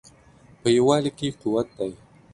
په یووالي کې قوت دی